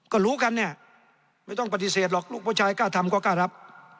ก็รู้กันเนี่ยไม่ต้องปฏิเสธหรอกลูกผู้ชายกล้าทำก็กล้ารับ